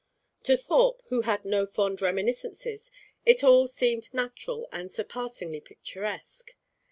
To Thorpe, who had no fond reminiscences, it all seemed natural and surpassingly picturesque.